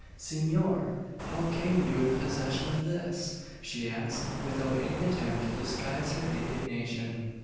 "Senor! how came you in possession of this?" she asked, without any attempt to disguise her indignation.